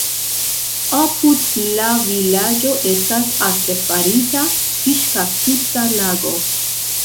Apud la vilaĝo estas artefarita fiŝkaptista lago.